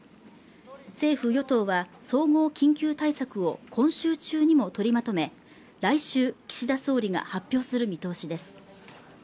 政府与党は総合緊急対策を今週中にも取りまとめ来週岸田総理が発表する見通しです